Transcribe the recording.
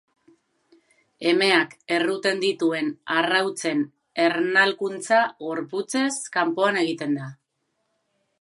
Emeak erruten dituen arrautzen ernalkuntza gorputzez kanpoan egiten da.